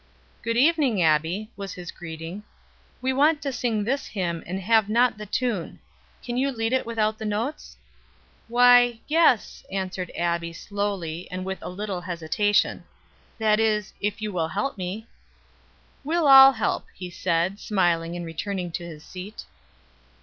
"Good evening, Abbie," was his greeting. "We want to sing this hymn, and have not the tune. Can you lead it without the notes?" "Why, yes," answered Abbie slowly, and with a little hesitation. "That is, if you will help me." "We'll all help," he said, smiling and returning to his seat.